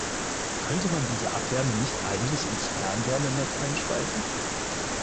Könnte man diese Abwärme nicht eigentlich ins Fernwärmenetz einspeisen?